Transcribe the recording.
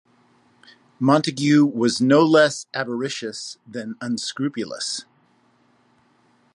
Montagu was no less avaricious than unscrupulous.